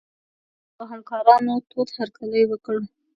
رييس صاحب او همکارانو تود هرکلی وکړ.